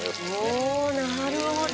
おおなるほど。